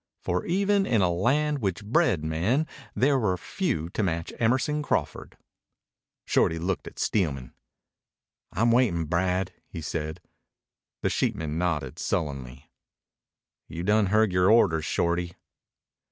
For even in a land which bred men there were few to match Emerson Crawford. Shorty looked at Steelman. "I'm waitin', Brad," he said. The sheepman nodded sullenly. "You done heard your orders, Shorty."